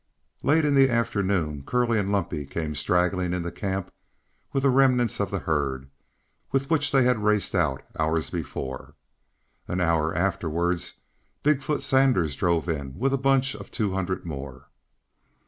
Late in the afternoon Curley and Lumpy came straggling into camp with the remnants of the herd, with which they had raced out hours before. An hour afterwards, Big foot Sanders drove in with a bunch of two hundred more.